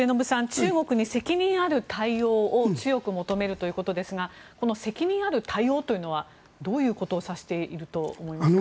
中国に責任ある対応を強く求めるということですがこの責任ある対応というのはどういうことを指していると思いますか。